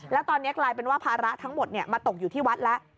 แล้วตอนนี้กลายเป็นว่าภาระทั้งหมดมาตกอยู่ที่วัดแล้ว